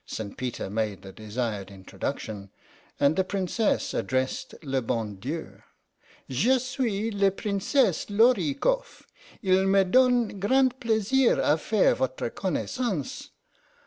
St. Peter made the desired introduction, and the Princess addressed le Bon Dieu :* Je suis la Princesse Lor i koff. II me donne grand plaisir a faire votre connaissance.